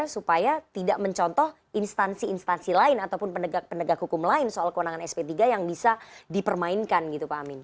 supaya tidak mencontoh instansi instansi lain ataupun penegak hukum lain soal kewenangan sp tiga yang bisa dipermainkan gitu pak amin